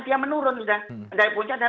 dia menurun sudah pendaipunca dan